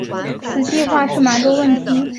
此计划是满洲问题专家列维托夫提出的。